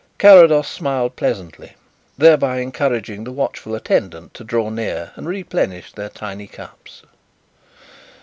Carrados smiled pleasantly, thereby encouraging the watchful attendant to draw near and replenish their tiny cups.